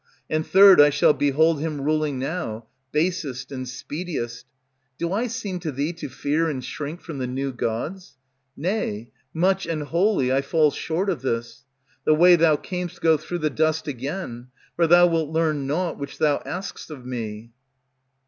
And third I shall behold him ruling now, Basest and speediest. Do I seem to thee To fear and shrink from the new gods? Nay, much and wholly I fall short of this. The way thou cam'st go through the dust again; For thou wilt learn naught which thou ask'st of me.